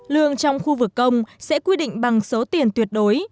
lương trong khu vực công sẽ quy định bằng số tiền tuyệt đối